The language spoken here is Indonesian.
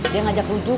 dia ngajak rujuk